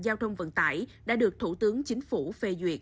giao thông vận tải đã được thủ tướng chính phủ phê duyệt